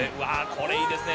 これいいですね。